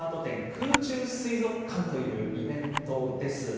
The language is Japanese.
空中水族館というイベントです。